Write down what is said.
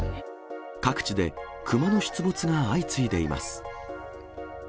各地でクマの出没が相次いでいます。